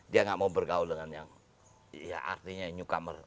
dia nggak mau bergaul dengan yang ya artinya newcomer